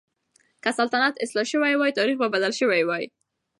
که سلطنت اصلاح شوی وای، تاريخ به بدل شوی وای.